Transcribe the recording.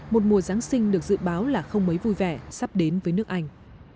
một mùa giáng sinh được dự báo là không mấy vui vẻ sắp đến với nước anh